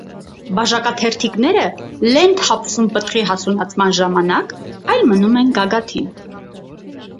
Բաժակաթերթիկները լեն թափվում պտղի հասունացման ժամանակ, այլ մնում են գագաթին։